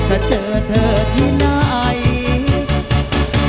ถ้าเจอเธอที่ไหน